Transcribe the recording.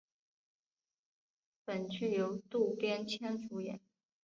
本剧由渡边谦主演。